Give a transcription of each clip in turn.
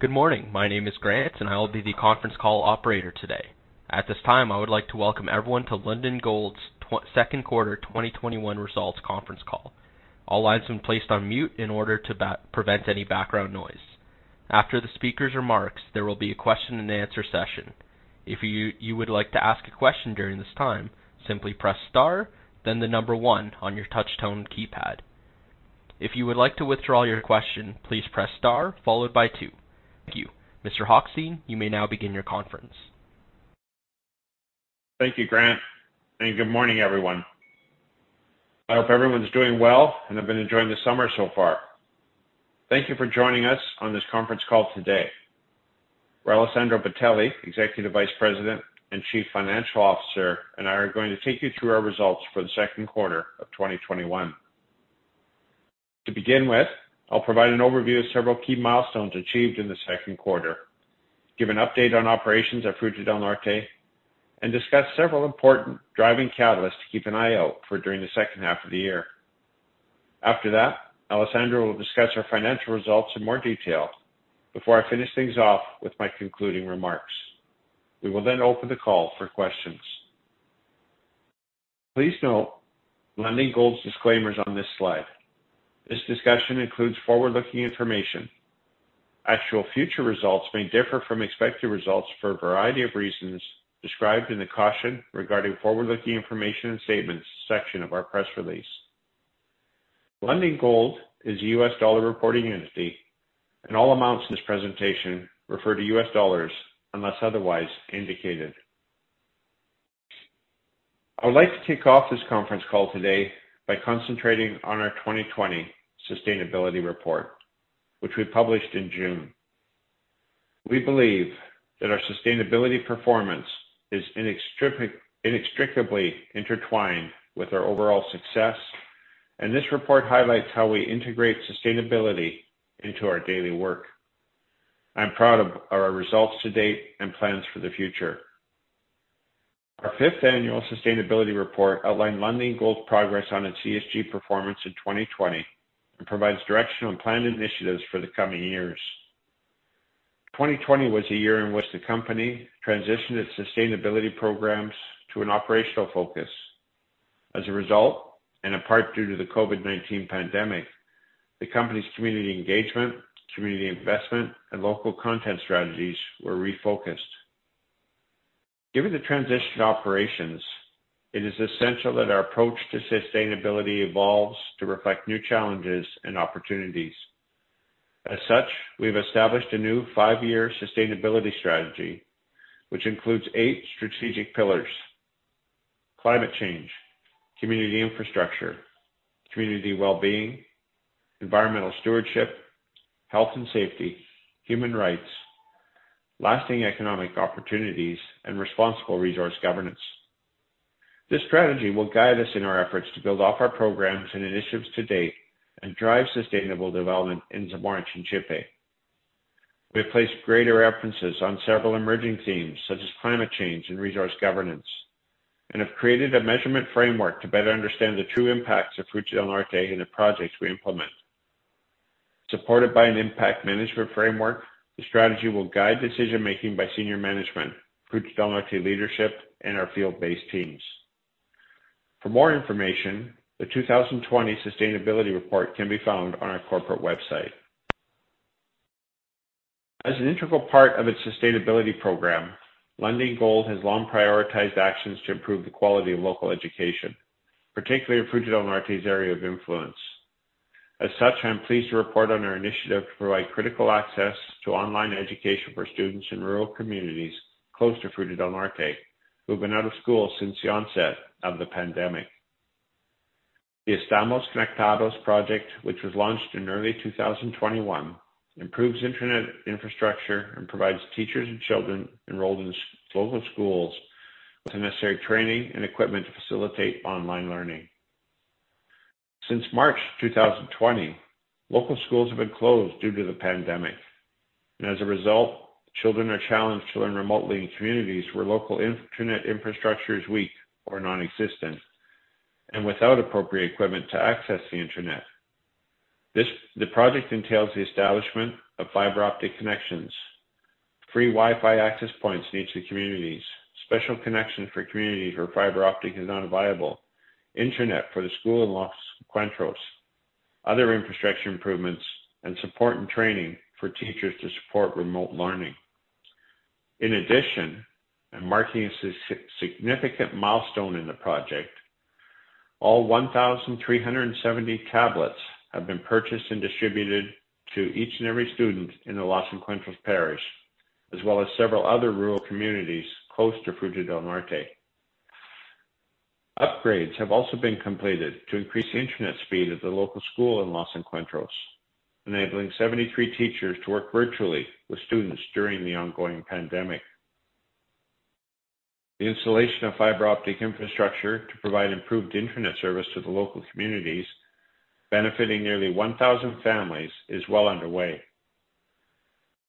Good morning. My name is Grant, and I will be the conference call operator today. At this time, I would like to welcome everyone to Lundin Gold's second quarter 2021 results conference call. All lines have been placed on mute in order to prevent any background noise. After the speaker's remarks, there will be a question and answer session. If you would like to ask a question during this time, simply press star, then the number one on your touch tone keypad. If you would like to withdraw your question, please press star followed by two. Thank you. Mr. Hochstein, you may now begin your conference. Thank you, Grant. Good morning, everyone. I hope everyone's doing well and have been enjoying the summer so far. Thank you for joining us on this conference call today. Alessandro Bitelli, Executive Vice President and Chief Financial Officer, and I are going to take you through our results for the second quarter of 2021. To begin with, I'll provide an overview of several key milestones achieved in the second quarter, give an update on operations at Fruta del Norte, and discuss several important driving catalysts to keep an eye out for during the second half of the year. After that, Alessandro will discuss our financial results in more detail before I finish things off with my concluding remarks. We will open the call for questions. Please note Lundin Gold's disclaimers on this slide. This discussion includes forward-looking information. Actual future results may differ from expected results for a variety of reasons described in the Caution Regarding Forward-Looking Information and Statements section of our press release. Lundin Gold is a US dollar reporting entity, and all amounts in this presentation refer to US dollars unless otherwise indicated. I would like to kick off this conference call today by concentrating on our 2020 sustainability report, which we published in June. We believe that our sustainability performance is inextricably intertwined with our overall success, and this report highlights how we integrate sustainability into our daily work. I'm proud of our results to date and plans for the future. Our fifth annual sustainability report outlined Lundin Gold's progress on its ESG performance in 2020 and provides direction on planned initiatives for the coming years. 2020 was a year in which the company transitioned its sustainability programs to an operational focus. As a result, and in part due to the COVID-19 pandemic, the company's community engagement, community investment, and local content strategies were refocused. Given the transition to operations, it is essential that our approach to sustainability evolves to reflect new challenges and opportunities. As such, we've established a new five-year sustainability strategy, which includes eight strategic pillars: climate change, community infrastructure, community wellbeing, environmental stewardship, health and safety, human rights, lasting economic opportunities, and responsible resource governance. This strategy will guide us in our efforts to build off our programs and initiatives to date and drive sustainable development in Zamora Chinchipe. We have placed greater references on several emerging themes, such as climate change and resource governance, and have created a measurement framework to better understand the true impacts of Fruta del Norte and the projects we implement. Supported by an impact management framework, the strategy will guide decision-making by senior management, Fruta del Norte leadership, and our field-based teams. For more information, the 2020 sustainability report can be found on our corporate website. As an integral part of its sustainability program, Lundin Gold has long prioritized actions to improve the quality of local education, particularly in Fruta del Norte's area of influence. As such, I'm pleased to report on our initiative to provide critical access to online education for students in rural communities close to Fruta del Norte who have been out of school since the onset of the pandemic. The Estamos Conectados project, which was launched in early 2021, improves internet infrastructure and provides teachers and children enrolled in local schools with the necessary training and equipment to facilitate online learning. Since March 2020, local schools have been closed due to the pandemic. As a result, children are challenged to learn remotely in communities where local internet infrastructure is weak or nonexistent, and without appropriate equipment to access the internet. The project entails the establishment of fiber optic connections, free Wi-Fi access points in each of the communities, special connections for communities where fiber optic is not viable, internet for the school in Los Encuentros, other infrastructure improvements, and support and training for teachers to support remote learning. In addition, and marking a significant milestone in the project, all 1,370 tablets have been purchased and distributed to each and every student in the Los Encuentros parish, as well as several other rural communities close to Fruta del Norte. Upgrades have also been completed to increase the internet speed at the local school in Los Encuentros, enabling 73 teachers to work virtually with students during the ongoing pandemic. The installation of fiber optic infrastructure to provide improved internet service to the local communities, benefiting nearly 1,000 families, is well underway.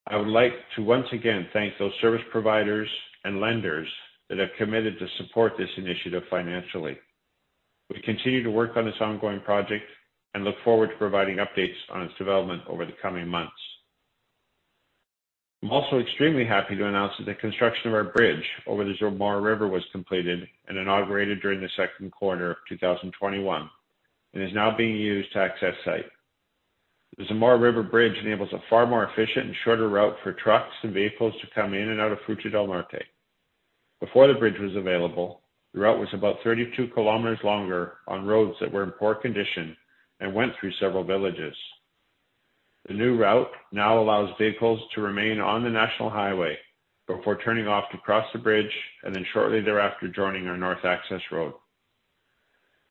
I would like to once again thank those service providers and lenders that have committed to support this initiative financially. We continue to work on this ongoing project and look forward to providing updates on its development over the coming months. I'm also extremely happy to announce that the construction of our bridge over the Zamora River was completed and inaugurated during the second quarter of 2021, and is now being used to access site. The Zamora River Bridge enables a far more efficient and shorter route for trucks and vehicles to come in and out of Fruta del Norte. Before the bridge was available, the route was about 32 km longer on roads that were in poor condition and went through several villages. The new route now allows vehicles to remain on the national highway before turning off to cross the bridge, and then shortly thereafter, joining our north access road.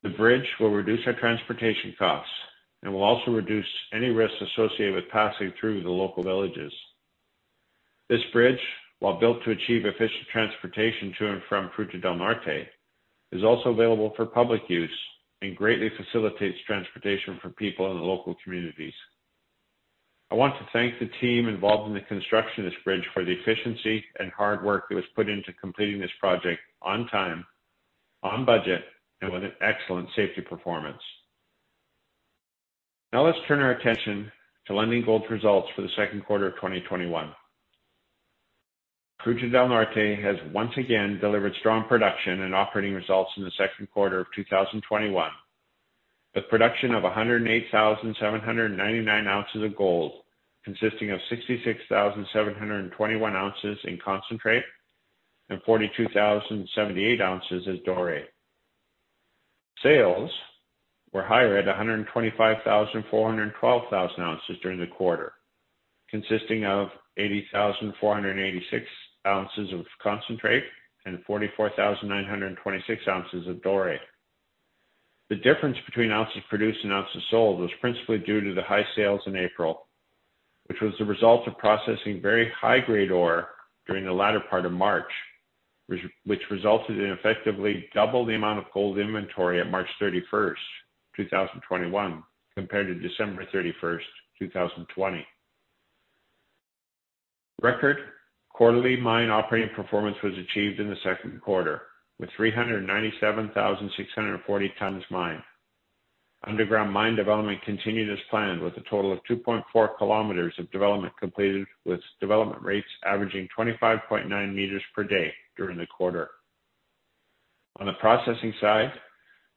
The bridge will reduce our transportation costs and will also reduce any risks associated with passing through the local villages. This bridge, while built to achieve efficient transportation to and from Fruta del Norte, is also available for public use and greatly facilitates transportation for people in the local communities. I want to thank the team involved in the construction of this bridge for the efficiency and hard work that was put into completing this project on time, on budget, and with an excellent safety performance. Let's turn our attention to Lundin Gold results for the second quarter of 2021. Fruta del Norte has once again delivered strong production and operating results in the second quarter of 2021. With production of 108,799 ounces of gold, consisting of 66,721 ounces in concentrate and 42,078 ounces as doré. Sales were higher at 125,412 ounces during the quarter, consisting of 80,486 ounces of concentrate and 44,926 ounces of doré. The difference between ounces produced and ounces sold was principally due to the high sales in April, which was the result of processing very high-grade ore during the latter part of March, which resulted in effectively double the amount of gold inventory at March 31st, 2021, compared to December 31st, 2020. Record quarterly mine operating performance was achieved in the second quarter, with 397,640 tons mined. Underground mine development continued as planned, with a total of 2.4 km of development completed, with development rates averaging 25.9 m per day during the quarter. On the processing side,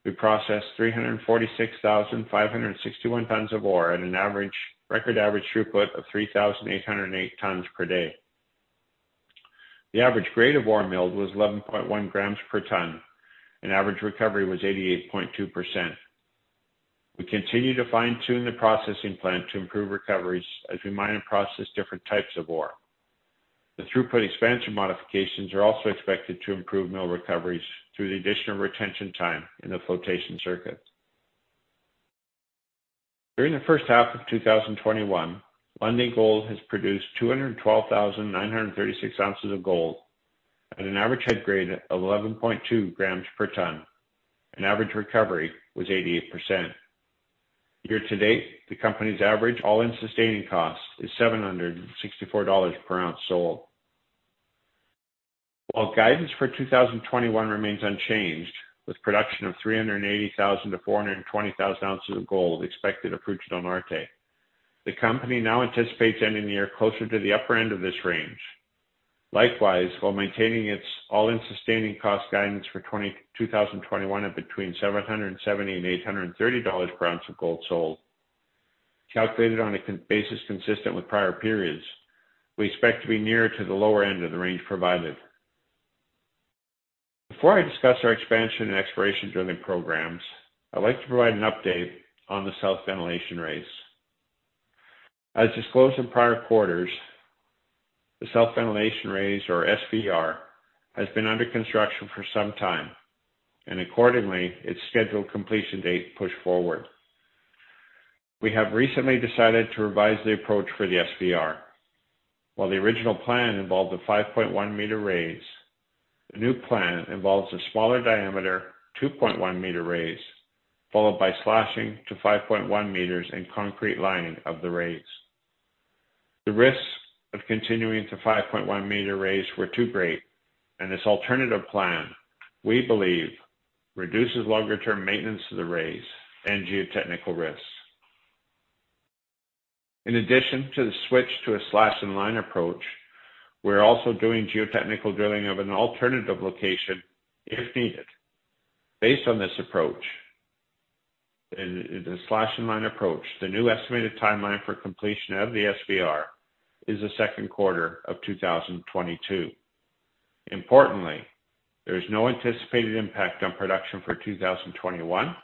we processed 346,561 tons of ore at a record average throughput of 3,808 tons per day. The average grade of ore milled was 11.1 g/ton and average recovery was 88.2%. We continue to fine-tune the processing plant to improve recoveries as we mine and process different types of ore. The throughput expansion modifications are also expected to improve mill recoveries through the addition of retention time in the flotation circuit. During the first half of 2021, Lundin Gold has produced 212,936 ounces of gold at an average head grade of 11.2 g/ton. Average recovery was 88%. Year to date, the company's average all-in sustaining cost is $764 per ounce sold. While guidance for 2021 remains unchanged, with production of 380,000-420,000 ounces of gold expected at Fruta del Norte, the company now anticipates ending the year closer to the upper end of this range. Likewise, while maintaining its all-in sustaining cost guidance for 2021 at between $770 and $830 per ounce of gold sold, calculated on a basis consistent with prior periods, we expect to be nearer to the lower end of the range provided. Before I discuss our expansion and exploration drilling programs, I'd like to provide an update on the south ventilation raise. As disclosed in prior quarters, the south ventilation raise, or SVR, has been under construction for some time, and accordingly, its scheduled completion date pushed forward. We have recently decided to revise the approach for the SVR. While the original plan involved a 5.1 m raise, the new plan involves a smaller diameter, 2.1 m raise, followed by slashing to 5.1 m and concrete lining of the raise. The risks of continuing to 5.1 m raise were too great, and this alternative plan, we believe, reduces longer-term maintenance to the raise and geotechnical risks. In addition to the switch to a slash and line approach, we're also doing geotechnical drilling of an alternative location if needed. Based on this approach, the slash and line approach, the new estimated timeline for completion of the SVR is Q2 2022. Importantly, there is no anticipated impact on production for 2021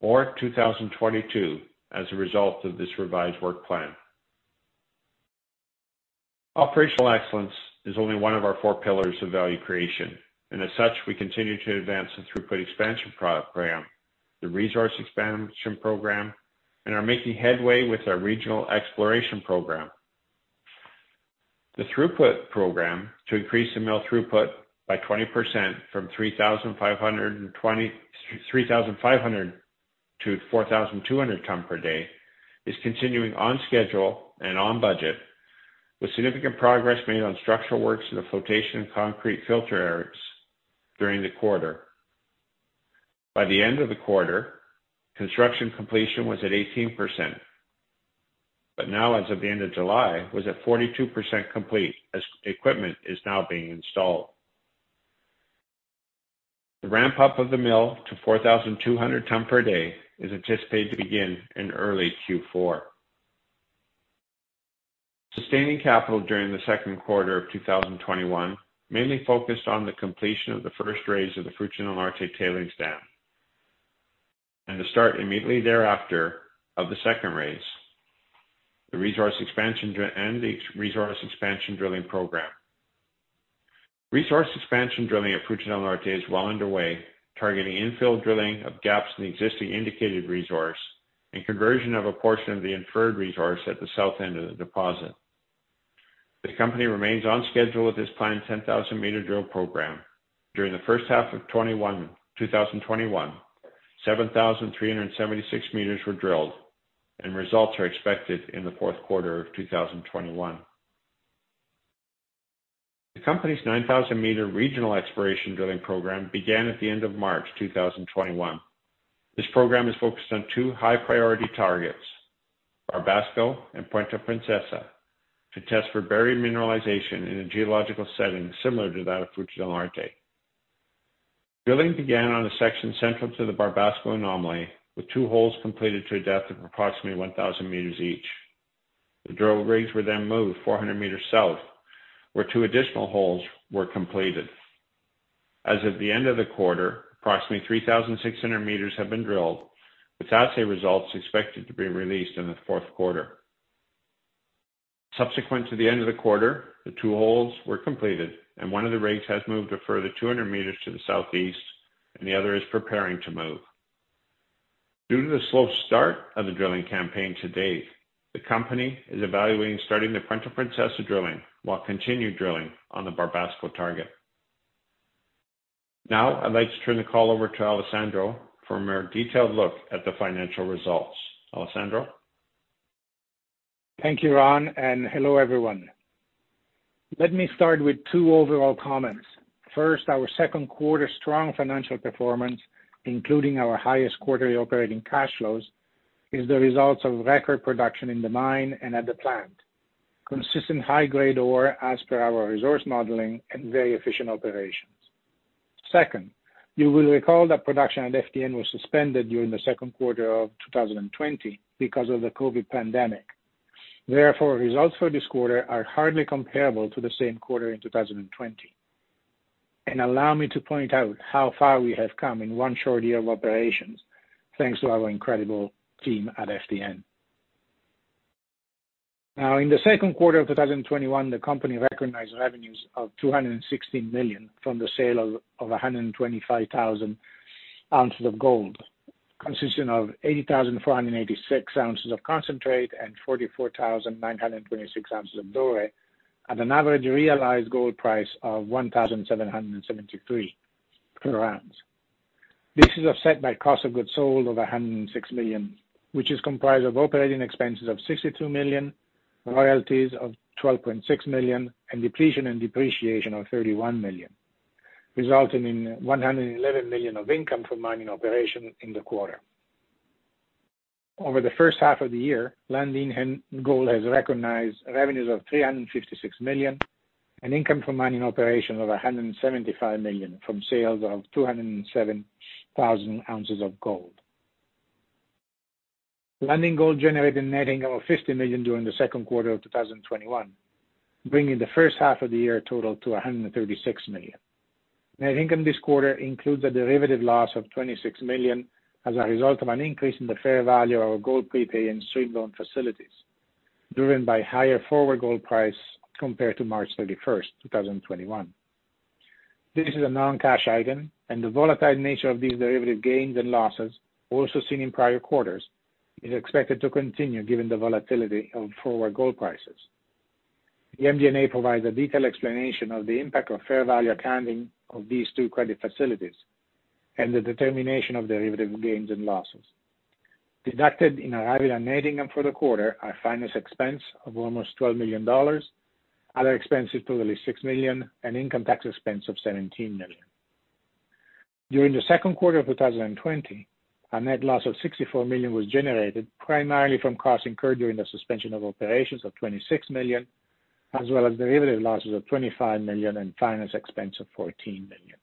or 2022 as a result of this revised work plan. Operational excellence is only one of our four pillars of value creation. As such, we continue to advance the throughput expansion program, the resource expansion program, and are making headway with our regional exploration program. The throughput program to increase the mill throughput by 20% from 3,500-4,200 tons per day is continuing on schedule and on budget, with significant progress made on structural works in the flotation concrete filter areas during the quarter. By the end of the quarter, construction completion was at 18%. Now as of the end of July, was at 42% complete as equipment is now being installed. The ramp-up of the mill to 4,200 tons per day is anticipated to begin in early Q4. Sustaining capital during Q2 2021 mainly focused on the completion of the first raise of the Fruta del Norte tailings dam and the start immediately thereafter of the second raise and the resource expansion drilling program. Resource expansion drilling at Fruta del Norte is well underway, targeting infill drilling of gaps in the existing indicated resource, and conversion of a portion of the inferred resource at the south end of the deposit. The company remains on schedule with this planned 10,000 m drill program. During the first half of 2021, 7,376 m were drilled, and results are expected in the fourth quarter of 2021. The company's 9,000 m regional exploration drilling program began at the end of March 2021. This program is focused on two high-priority targets, Barbasco and Punta Princesa, to test for buried mineralization in a geological setting similar to that of Fruta del Norte. Drilling began on a section central to the Barbasco anomaly, with two holes completed to a depth of approximately 1,000 m each. The drill rigs were moved 400 m south, where two additional holes were completed. As of the end of the quarter, approximately 3,600 m have been drilled, with assay results expected to be released in the fourth quarter. Subsequent to the end of the quarter, the two holes were completed, and one of the rigs has moved a further 200 m to the southeast, and the other is preparing to move. Due to the slow start of the drilling campaign to date, the company is evaluating starting the Punta Princesa drilling while continuing drilling on the Barbasco target. I'd like to turn the call over to Alessandro for a more detailed look at the financial results. Alessandro? Thank you, Ron, and hello, everyone. Let me start with two overall comments. First, our second quarter strong financial performance, including our highest quarterly operating cash flows, is the results of record production in the mine and at the plant. Consistent high-grade ore as per our resource modeling and very efficient operations. Second, you will recall that production at FDN was suspended during the second quarter of 2020 because of the COVID pandemic. Therefore, results for this quarter are hardly comparable to the same quarter in 2020. Allow me to point out how far we have come in one short year of operations thanks to our incredible team at FDN. Now in the second quarter of 2021, the company recognized revenues of $260 million from the sale of 125,000 ounces of gold, consisting of 80,486 ounces of concentrate and 44,926 ounces of doré, at an average realized gold price of $1,773 per ounce. This is offset by cost of goods sold of $106 million, which is comprised of operating expenses of $62 million, royalties of $12.6 million, and depletion and depreciation of $31 million, resulting in $111 million of income from mining operation in the quarter. Over the first half of the year, Lundin Gold has recognized revenues of $356 million and income from mining operation of $175 million from sales of 207,000 ounces of gold. Lundin Gold generated a net income of $50 million during the second quarter of 2021, bringing the first half of the year total to $136 million. Net income this quarter includes a derivative loss of $26 million as a result of an increase in the fair value of our gold prepay and stream loan facilities, driven by higher forward gold price compared to March 31, 2021. This is a non-cash item, the volatile nature of these derivative gains and losses, also seen in prior quarters, is expected to continue given the volatility of forward gold prices. The MD&A provides a detailed explanation of the impact of fair value accounting of these two credit facilities and the determination of derivative gains and losses. Deducted in arriving at netting them for the quarter are finance expense of almost $12 million, other expenses totaling $6 million, and income tax expense of $17 million. During the second quarter of 2020, a net loss of $64 million was generated primarily from costs incurred during the suspension of operations of $26 million, as well as derivative losses of $25 million and finance expense of $14 million.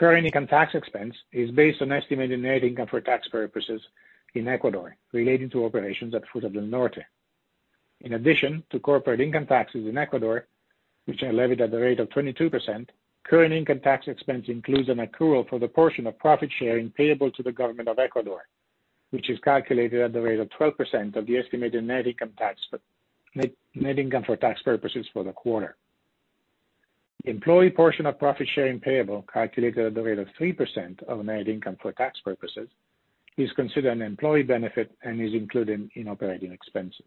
Current income tax expense is based on estimated net income for tax purposes in Ecuador relating to operations at Fruta del Norte. In addition to corporate income taxes in Ecuador, which are levied at the rate of 22%, current income tax expense includes an accrual for the portion of profit-sharing payable to the government of Ecuador, which is calculated at the rate of 12% of the estimated net income for tax purposes for the quarter. The employee portion of profit sharing payable, calculated at the rate of 3% of net income for tax purposes, is considered an employee benefit and is included in operating expenses.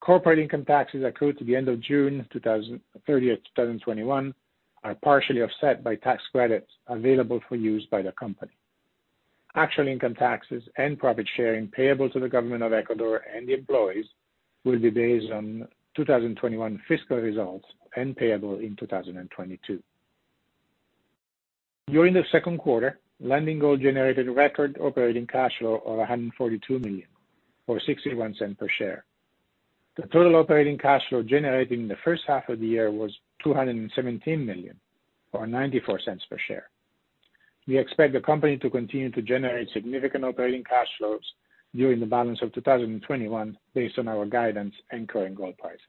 Corporate income taxes accrued to the end of June 30th, 2021, are partially offset by tax credits available for use by the company. Actual income taxes and profit sharing payable to the government of Ecuador and the employees will be based on 2021 fiscal results and payable in 2022. During the second quarter, Lundin Gold generated record operating cash flow of $142 million, or $0.61 per share. The total operating cash flow generated in the first half of the year was $217 million, or $0.94 per share. We expect the company to continue to generate significant operating cash flows during the balance of 2021 based on our guidance and current gold prices.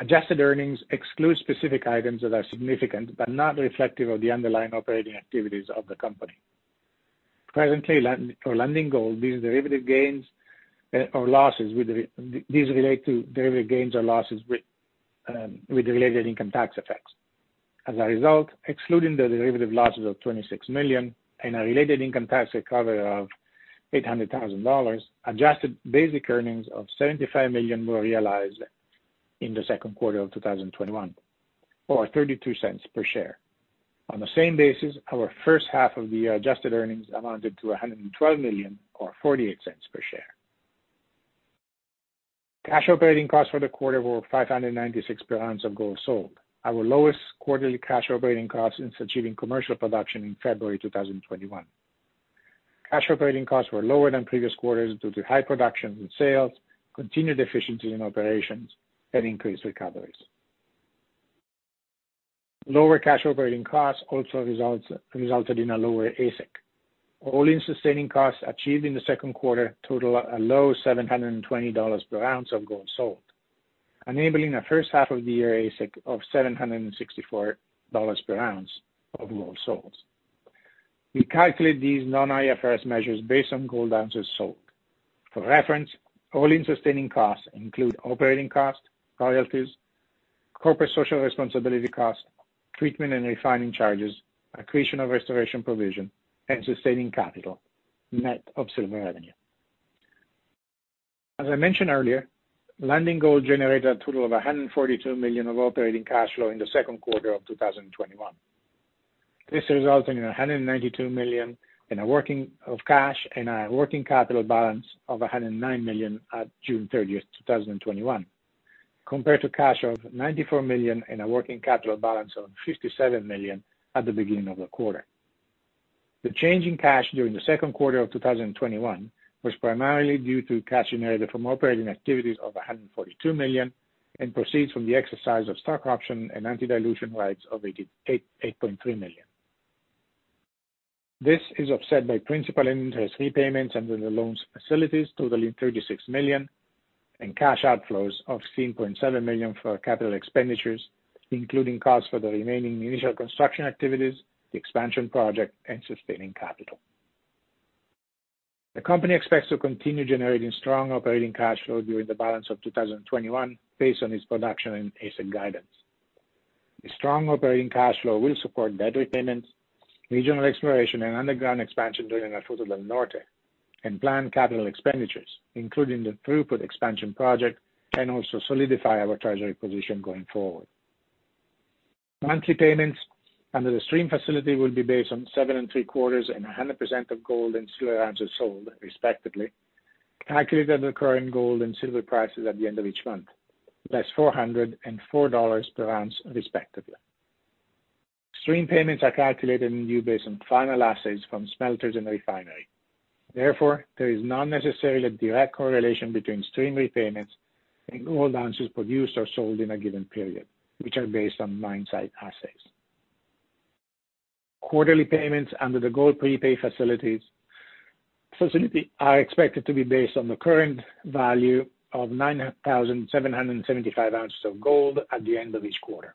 Adjusted earnings exclude specific items that are significant but not reflective of the underlying operating activities of the company. Presently for Lundin Gold, these derivative gains or losses relate to derivative gains or losses with related income tax effects. As a result, excluding the derivative losses of $26 million and a related income tax recovery of $800,000, adjusted basic earnings of $75 million were realized in the second quarter of 2021, or $0.32 per share. On the same basis, our first half of the year adjusted earnings amounted to $112 million or $0.48 per share. Cash operating costs for the quarter were $596 per ounce of gold sold, our lowest quarterly cash operating costs since achieving commercial production in February 2021. Cash operating costs were lower than previous quarters due to high production and sales, continued efficiencies in operations, and increased recoveries. Lower cash operating costs also resulted in a lower AISC. All-in sustaining costs achieved in the second quarter total a low $720 per ounce of gold sold, enabling a first half of the year AISC of $764 per ounce of gold sold. We calculate these non-IFRS measures based on gold ounces sold. For reference, all-in sustaining costs include operating cost, royalties, corporate social responsibility cost, treatment and refining charges, accretion of restoration provision, and sustaining capital, net of silver revenue. As I mentioned earlier, Lundin Gold generated a total of $142 million of operating cash flow in the second quarter of 2021. This resulted in $192 million in cash and a working capital balance of $109 million at June 30th, 2021, compared to cash of $94 million and a working capital balance of $57 million at the beginning of the quarter. The change in cash during the second quarter of 2021 was primarily due to cash generated from operating activities of $142 million and proceeds from the exercise of stock option and anti-dilution rights of $8.3 million. This is offset by principal and interest repayments under the loans facilities totaling $36 million, and cash outflows of $6.7 million for capital expenditures, including costs for the remaining initial construction activities, the expansion project, and sustaining capital. The company expects to continue generating strong operating cash flow during the balance of 2021 based on its production and AISC guidance. The strong operating cash flow will support debt repayments, regional exploration, and underground expansion during the Fruta del Norte, and planned capital expenditures, including the throughput expansion project can also solidify our treasury position going forward. Monthly payments under the stream facility will be based on 7.75% and 100% of gold and silver ounces sold respectively, calculated at the current gold and silver prices at the end of each month, less $404 per ounce respectively. Stream payments are calculated anew based on final assays from smelters and refinery. Therefore, there is not necessarily a direct correlation between stream repayments and gold ounces produced or sold in a given period, which are based on mine site assays. Quarterly payments under the gold prepay facility are expected to be based on the current value of 9,775 ounces of gold at the end of each quarter.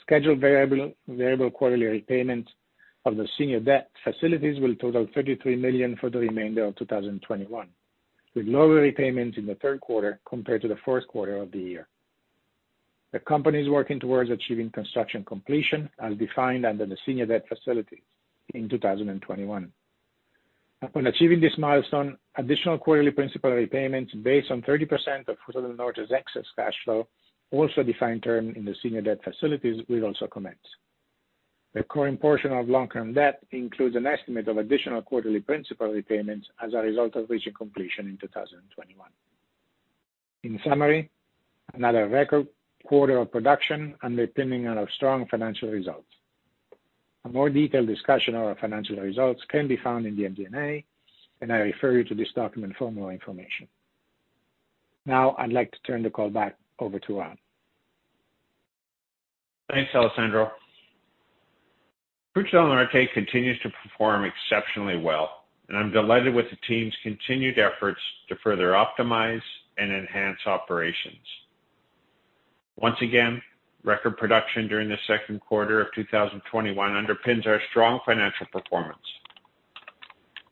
Scheduled variable quarterly repayments of the senior debt facilities will total $33 million for the remainder of 2021, with lower repayments in the third quarter compared to the first quarter of the year. The company is working towards achieving construction completion as defined under the senior debt facility in 2021. Upon achieving this milestone, additional quarterly principal repayments based on 30% of Fruta del Norte's excess cash flow, also defined term in the senior debt facilities, will also commence. The current portion of long-term debt includes an estimate of additional quarterly principal repayments as a result of reaching completion in 2021. In summary, another record quarter of production underpinning our strong financial results. A more detailed discussion of our financial results can be found in the MD&A, and I refer you to this document for more information. Now I'd like to turn the call back over to Al. Thanks, Alessandro Bitelli. Fruta del Norte continues to perform exceptionally well, and I'm delighted with the team's continued efforts to further optimize and enhance operations. Once again, record production during the second quarter of 2021 underpins our strong financial performance.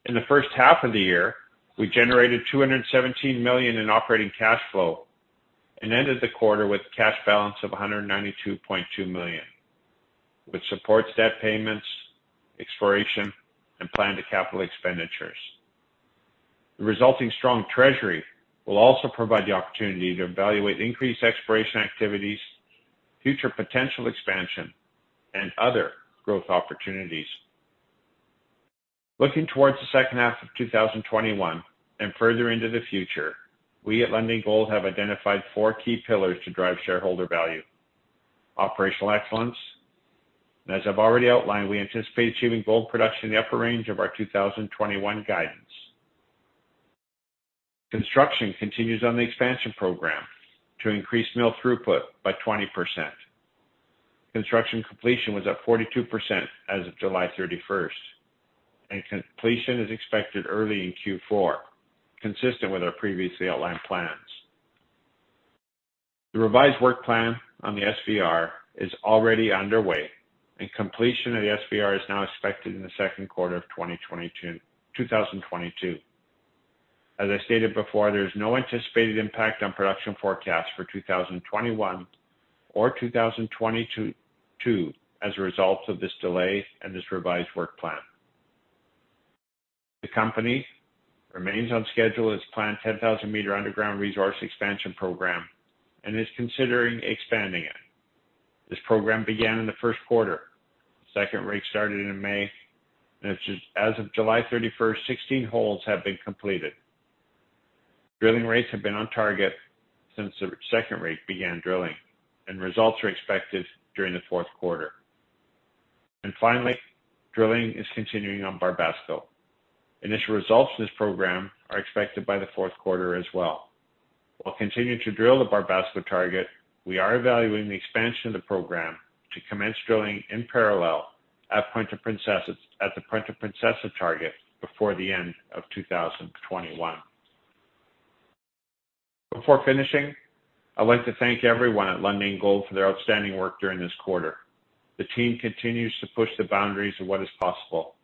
In the first half of the year, we generated $217 million in operating cash flow and ended the quarter with cash balance of $192.2 million, which supports debt payments, exploration, and planned capital expenditures. The resulting strong treasury will also provide the opportunity to evaluate increased exploration activities, future potential expansion, and other growth opportunities. Looking towards the second half of 2021 and further into the future, we at Lundin Gold have identified four key pillars to drive shareholder value. Operational excellence. As I've already outlined, we anticipate achieving gold production in the upper range of our 2021 guidance. Construction continues on the expansion program to increase mill throughput by 20%. Construction completion was at 42% as of July 31st, and completion is expected early in Q4, consistent with our previously outlined plans. The revised work plan on the SVR is already underway, and completion of the SVR is now expected in the second quarter of 2022. As I stated before, there's no anticipated impact on production forecast for 2021 or 2022 as a result of this delay and this revised work plan. The company remains on schedule with its planned 10,000 m underground resource expansion program and is considering expanding it. This program began in the first quarter. Second rig started in May. As of July 31st, 16 holes have been completed. Drilling rigs have been on target since the second rig began drilling, and results are expected during the fourth quarter. Finally, drilling is continuing on Barbasco. Initial results of this program are expected by the fourth quarter as well. While continuing to drill the Barbasco target, we are evaluating the expansion of the program to commence drilling in parallel at the Punta Princesa target before the end of 2021. Before finishing, I'd like to thank everyone at Lundin Gold for their outstanding work during this quarter. The team continues to push the boundaries of what is possible,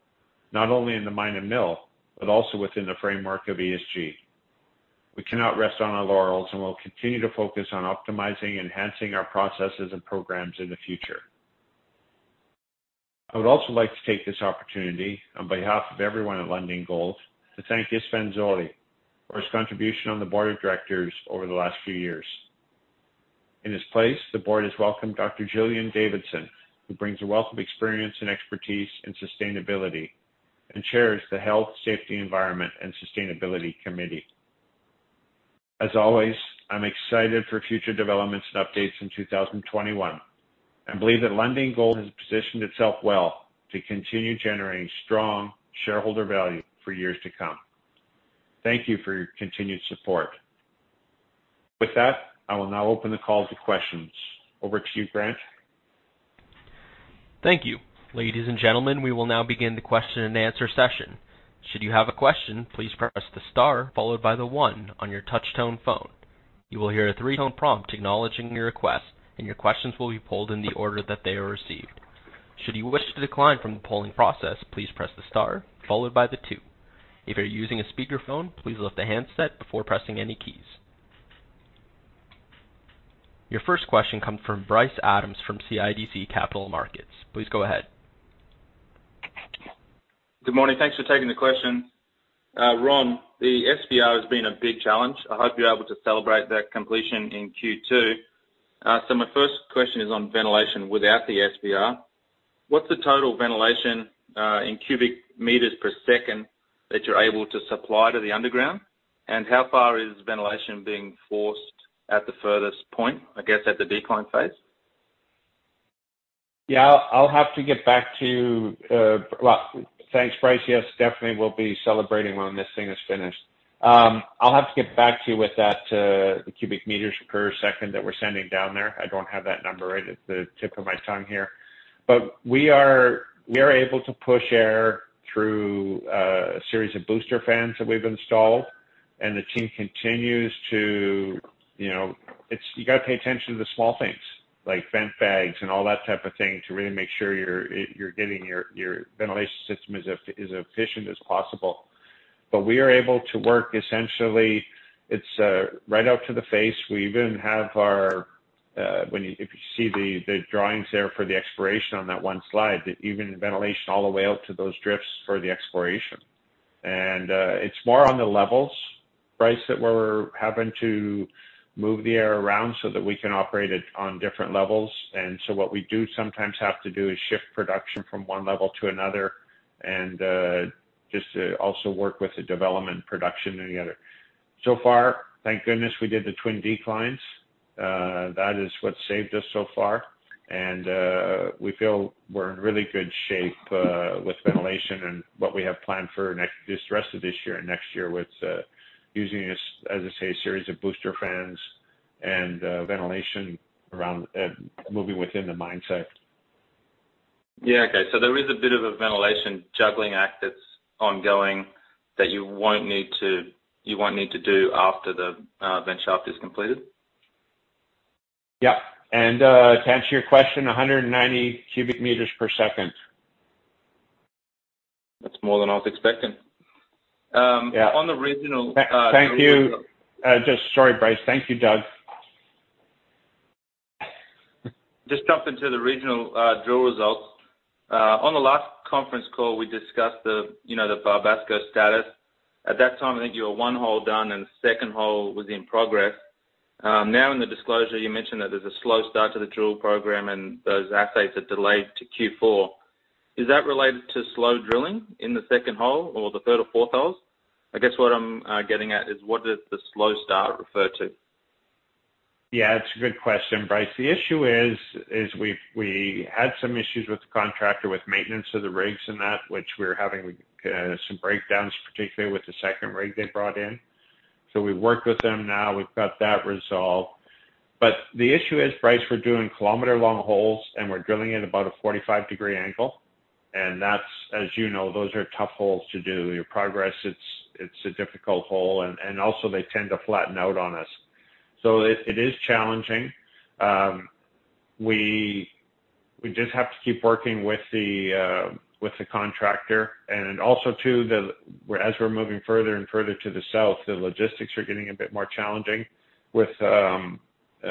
not only in the mine and mill, but also within the framework of ESG. We cannot rest on our laurels, and we'll continue to focus on optimizing and enhancing our processes and programs in the future. I would also like to take this opportunity, on behalf of everyone at Lundin Gold, to thank Istvan Zollei for his contribution on the board of directors over the last few years. In his place, the board has welcomed Dr Gillian Davidson, who brings a wealth of experience and expertise in sustainability and chairs the Health, Safety, Environment and Sustainability Committee. As always, I'm excited for future developments and updates in 2021 and believe that Lundin Gold has positioned itself well to continue generating strong shareholder value for years to come. Thank you for your continued support. With that, I will now open the call to questions. Over to you, Grant. Thank you. Ladies and gentlemen, we will now begin the question and answer session. Should you have a question, please press the star followed by the one on your touch tone phone. You will hear a three-tone prompt acknowledging your request, and your questions will be polled in the order that they are received. Should you wish to decline from the polling process, please press the star followed by the two. If you're using a speakerphone, please lift the handset before pressing any keys. Your first question comes from Bryce Adams from CIBC Capital Markets. Please go ahead. Good morning. Thanks for taking the question. Ron, the SVR has been a big challenge. I hope you're able to celebrate that completion in Q2. My first question is on ventilation without the SVR. What's the total ventilation, in cubic meters per second, that you're able to supply to the underground? How far is ventilation being forced at the furthest point, I guess at the decline phase? Yeah, I'll have to get back to you. Well, thanks, Bryce. Yes, definitely we'll be celebrating when this thing is finished. I'll have to get back to you with that, the cubic meters per second that we're sending down there. I don't have that number right at the tip of my tongue here. We are able to push air through a series of booster fans that we've installed. You got to pay attention to the small things, like vent bags and all that type of thing, to really make sure you're getting your ventilation system as efficient as possible. We are able to work essentially, it's right out to the face. If you see the drawings there for the exploration on that one slide, that even ventilation all the way out to those drifts for the exploration. It's more on the levels, Bryce, that where we're having to move the air around so that we can operate it on different levels. What we do sometimes have to do is shift production from one level to another and just to also work with the development production and the other. So far, thank goodness we did the twin declines. That is what saved us so far. We feel we're in really good shape with ventilation and what we have planned for the rest of this year and next year with using, as I say, a series of booster fans and ventilation around moving within the mine site. Yeah. Okay. There is a bit of a ventilation juggling act that's ongoing that you won't need to do after the vent shaft is completed? Yeah. To answer your question, 190 cubic meters per second. It's more than I was expecting. Yeah. On the regional. Thank you. Sorry, Bryce. Thank you, Doug. Just jumping to the regional drill results. On the last conference call, we discussed the Barbasco status. At that time, I think you were one hole done and the second hole was in progress. Now in the disclosure, you mentioned that there's a slow start to the drill program, and those assays are delayed to Q4. Is that related to slow drilling in the second hole or the third or fourth holes? I guess what I'm getting at is what does the slow start refer to? Yeah, it's a good question, Bryce. The issue is, we had some issues with the contractor with maintenance of the rigs and that, which we were having some breakdowns, particularly with the second rig they brought in. We worked with them. Now we've got that resolved. The issue is, Bryce, we're doing kilometer-long holes, and we're drilling at about a 45-degree angle. As you know, those are tough holes to do. Your progress, it's a difficult hole, and also they tend to flatten out on us. It is challenging. We just have to keep working with the contractor. Also, too, as we're moving further and further to the south, the logistics are getting a bit more challenging with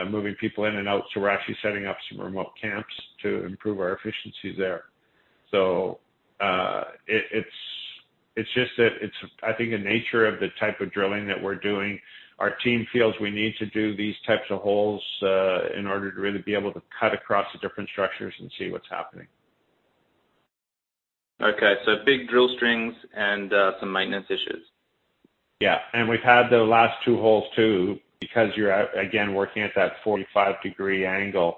moving people in and out. We're actually setting up some remote camps to improve our efficiency there. It's just that it's, I think, the nature of the type of drilling that we're doing. Our team feels we need to do these types of holes in order to really be able to cut across the different structures and see what's happening. Okey. So big drill strings and some maintenance issues. Yeah. We've had the last two holes, too, because you're, again, working at that 45-degree angle,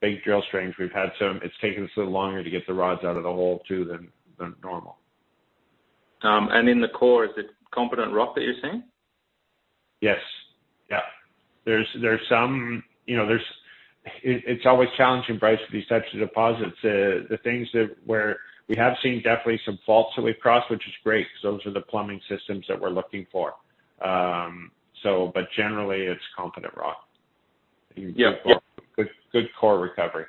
big drill strings. It's taken us a little longer to get the rods out of the hole, too, than normal. In the core, is it competent rock that you're seeing? Yes. Yeah. It's always challenging, Bryce, with these types of deposits. We have seen definitely some faults that we've crossed, which is great, because those are the plumbing systems that we're looking for. Generally, it's competent rock. Yeah. Good core recovery.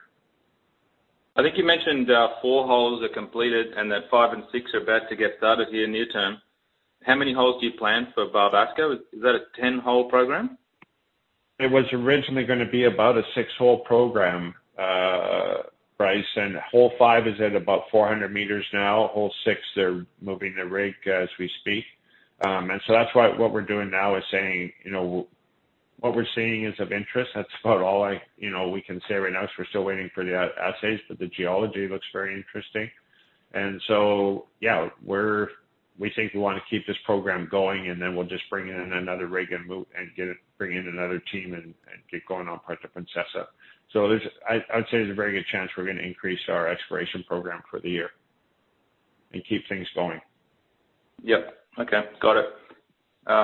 I think you mentioned four holes are completed and that five and six are about to get started here near term. How many holes do you plan for Barbasco? Is that a 10-hole program? It was originally going to be about a six-hole program, Bryce, and hole five is at about 400 m now. Hole six, they're moving the rig as we speak. That's why what we're doing now is saying what we're seeing is of interest. That's about all we can say right now, because we're still waiting for the assays, but the geology looks very interesting. Yeah, we think we want to keep this program going, and then we'll just bring in another rig and bring in another team and get going on Princesa. I would say there's a very good chance we're going to increase our exploration program for the year and keep things going. Yep. Okay. Got it.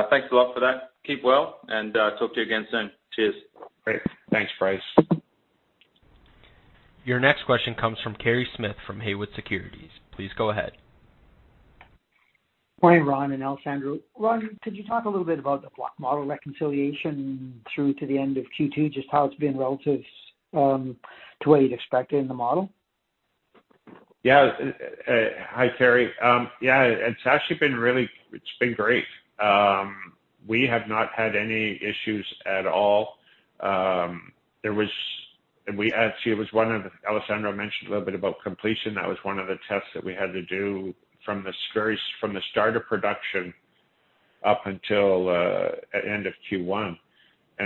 Thanks a lot for that. Keep well, and talk to you again soon. Cheers. Great. Thanks, Bryce. Your next question comes from Kerry Smith from Haywood Securities. Please go ahead. Morning, Ron and Alessandro. Ron, could you talk a little bit about the block model reconciliation through to the end of Q2, just how it's been relative to what you'd expected in the model? Yeah. Hi, Kerry. Yeah, it's actually been great. We have not had any issues at all. Actually, Alessandro Bitelli mentioned a little bit about completion. That was one of the tests that we had to do from the start of production up until end of Q1.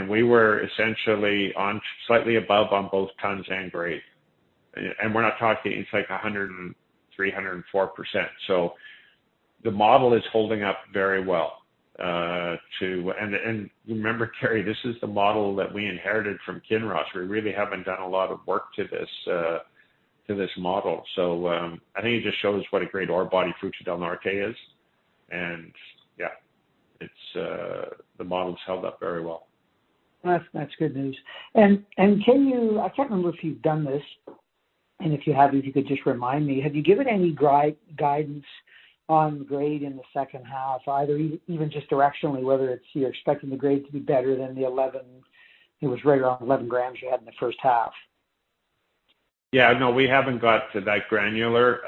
We were essentially slightly above on both tons and grade. We're not talking, it's like 103%, 104%. The model is holding up very well. Remember, Kerry, this is the model that we inherited from Kinross. We really haven't done a lot of work to this model. I think it just shows what a great ore body Fruta del Norte is. Yeah, the model's held up very well. That's good news. I can't remember if you've done this, and if you have, if you could just remind me. Have you given any guidance on grade in the second half, either even just directionally, whether it's you're expecting the grade to be better than the 11, it was right around 11 g you had in the first half? Yeah, no, we haven't got to that granular.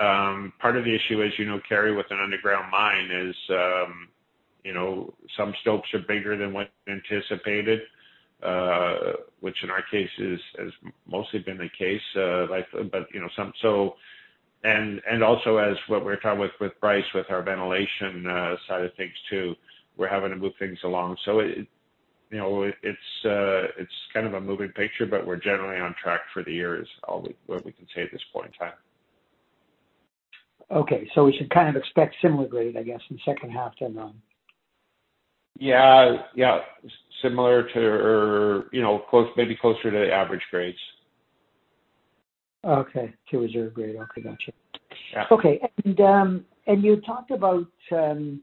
Part of the issue is, Kerry, with an underground mine is some stopes are bigger than what's anticipated, which in our case has mostly been the case. Also as what we were talking with Bryce, with our ventilation side of things, too, we're having to move things along. It's kind of a moving picture, but we're generally on track for the year is what we can say at this point in time. Okay. We should kind of expect similar grade, I guess, in the second half then, Ron? Yeah. Similar to or maybe closer to the average grades. Okay. To reserve grade. Okay, got you. Yeah. Okay. You talked about the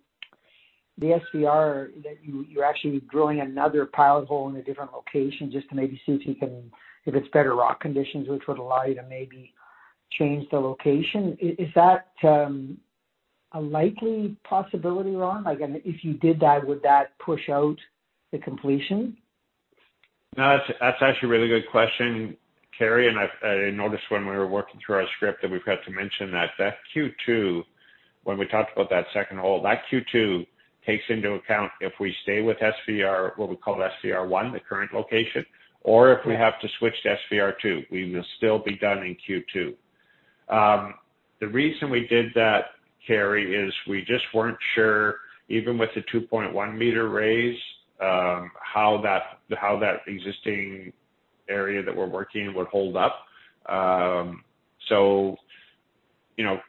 SVR, that you're actually drilling another pilot hole in a different location just to maybe see if it's better rock conditions, which would allow you to maybe change the location. Is that a likely possibility, Ron? If you did that, would that push out the completion? No, that's actually a really good question, Kerry. I noticed when we were working through our script that we forgot to mention that Q2, when we talked about that second hole, that Q2 takes into account if we stay with SVR, what we call SVR1, the current location, or if we have to switch to SVR2. We will still be done in Q2. The reason we did that, Kerry, is we just weren't sure, even with the 2.1 m raise, how that existing area that we're working would hold up.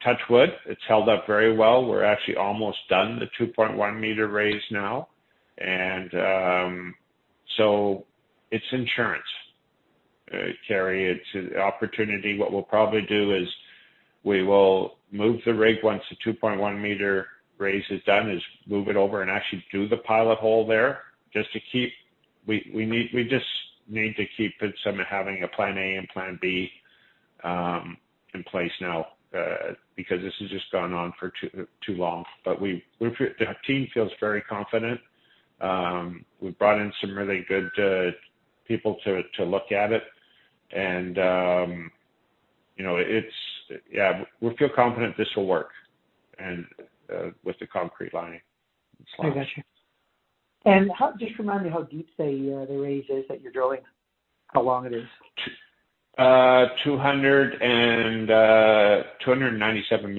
Touch wood, it's held up very well. We're actually almost done the 2.1 m raise now. It's insurance, Kerry. It's an opportunity. What we'll probably do is we will move the rig once the 2.1 m raise is done, is move it over and actually do the pilot hole there. We just need to keep having a plan A and plan B in place now, because this has just gone on for too long. The team feels very confident. We've brought in some really good people to look at it, and we feel confident this will work with the concrete lining and sludge. I gotcha. Just remind me how deep the raise is that you're drilling, how long it is? 297 m.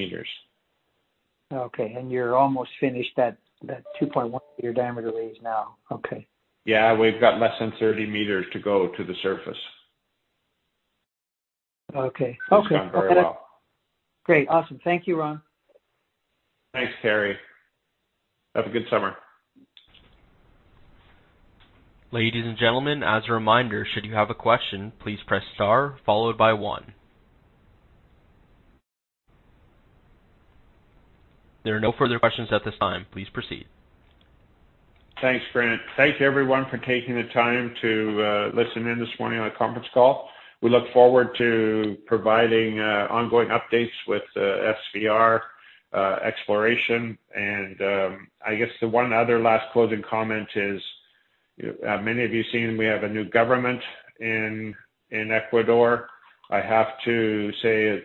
Okay, you're almost finished that 2.1 m diameter raise now. Okay. Yeah, we've got less than 30 m to go to the surface. Okay. It's gone very well. Great. Awesome. Thank you, Ron. Thanks, Kerry. Have a good summer. Ladies and gentlemen, as a reminder, should you have a question, please press star followed by one. There are no further questions at this time. Please proceed. Thanks, Grant. Thank you, everyone, for taking the time to listen in this morning on the conference call. I guess the one other last closing comment is, many of you seen we have a new government in Ecuador. I have to say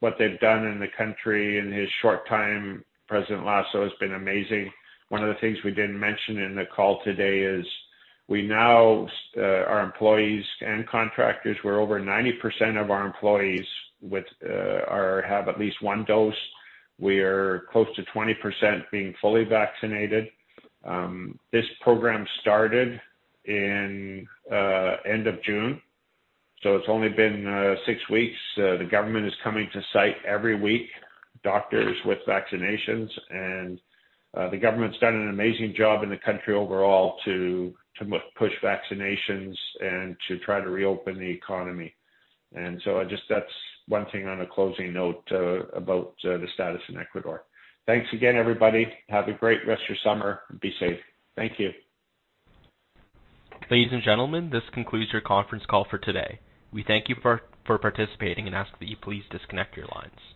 what they've done in the country in his short time, President Lasso, has been amazing. One of the things we didn't mention in the call today is our employees and contractors, where over 90% of our employees have at least one dose. We're close to 20% being fully vaccinated. This program started in end of June, so it's only been six weeks. The government is coming to site every week, doctors with vaccinations. The government's done an amazing job in the country overall to push vaccinations and to try to reopen the economy. That's one thing on a closing note about the status in Ecuador. Thanks again, everybody. Have a great rest of your summer, and be safe. Thank you. Ladies and gentlemen, this concludes your conference call for today. We thank you for participating and ask that you please disconnect your lines.